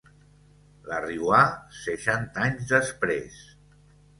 La “riuà” seixanta anys després.